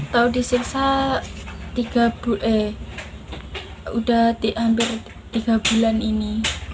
tau disiksa udah hampir tiga bulan ini